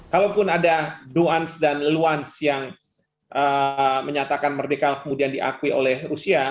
kalaupun ada luans dan luans yang menyatakan merdeka kemudian diakui oleh rusia